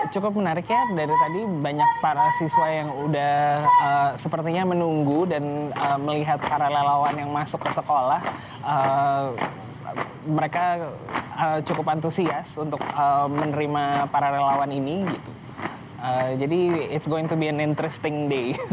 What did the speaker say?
cukup menarik ya dari tadi banyak para siswa yang sudah sepertinya menunggu dan melihat para lelawan yang masuk ke sekolah mereka cukup antusias untuk menerima para lelawan ini jadi it's going to be an interesting day